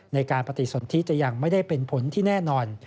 ในการปฏิสนทิจะยังไม่ได้เป็นผลที่แน่นอน